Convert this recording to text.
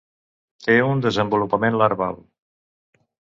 Té un desenvolupament larval.